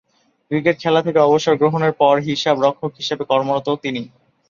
Cricket খেলা থেকে অবসর গ্রহণের পর হিসাবরক্ষক হিসেবে কর্মরত তিনি।